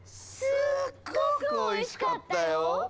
すっごくおいしかったよ！